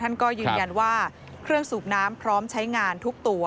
ท่านก็ยืนยันว่าเครื่องสูบน้ำพร้อมใช้งานทุกตัว